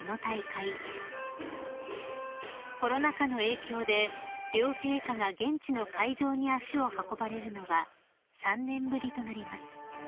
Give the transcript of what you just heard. ［コロナ禍の影響で両陛下が現地の会場に足を運ばれるのは３年ぶりとなります］